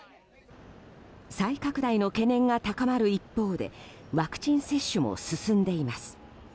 再拡大の懸念が高まる一方でワクチン接種も進んでいます。